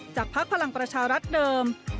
จากพระพลังประชารัฐเดิม